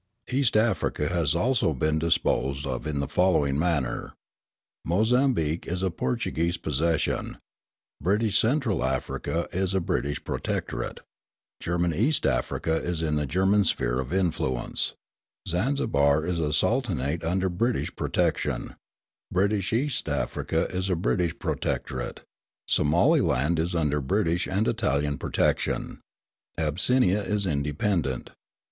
East Africa has also been disposed of in the following manner: Mozambique is a Portuguese possession, British Central Africa is a British protectorate, German East Africa is in the German sphere of influence, Zanzibar is a sultanate under British protection, British East Africa is a British protectorate, Somaliland is under British and Italian protection, Abyssinia is independent.